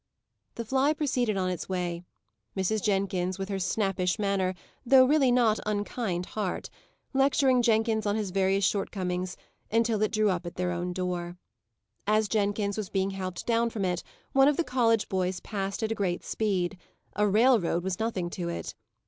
The fly proceeded on its way; Mrs. Jenkins, with her snappish manner, though really not unkind heart, lecturing Jenkins on his various shortcomings until it drew up at their own door. As Jenkins was being helped down from it, one of the college boys passed at a great speed; a railroad was nothing to it.